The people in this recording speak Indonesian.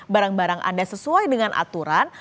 barang barang anda sesuai dengan aturan